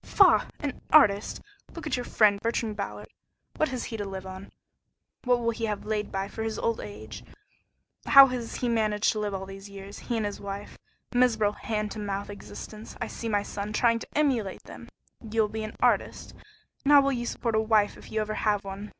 "Faugh! An artist? Look at your friend, Bertrand Ballard. What has he to live on? What will he have laid by for his old age? How has he managed to live all these years he and his wife? Miserable hand to mouth existence! I'll see my son trying to emulate him! You'll be an artist? And how will you support a wife if you ever have one?